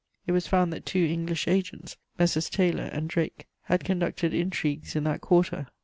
It was found that two English agents, Messrs. Taylor and Drake, had conducted intrigues in that quarter.